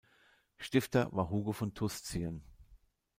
Stifter war Hugo von Tuszien.